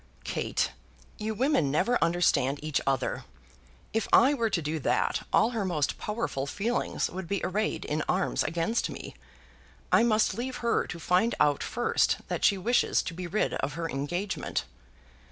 "Kate, you women never understand each other. If I were to do that, all her most powerful feelings would be arrayed in arms against me. I must leave her to find out first that she wishes to be rid of her engagement."